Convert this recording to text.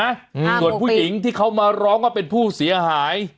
อืมส่วนผู้หญิงที่เขามาร้องว่าเป็นผู้เสียหาย